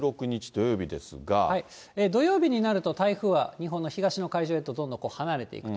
土曜日になると、台風は日本の東の海上へとどんどん離れていく。